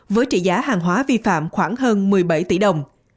với trị giá hàng hóa vi phạm khoảng hơn một mươi bảy tỷ đồng